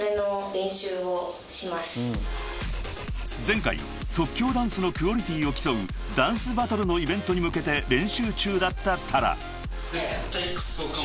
［前回即興ダンスのクオリティーを競うダンスバトルのイベントに向けて練習中だったＴａｒａ］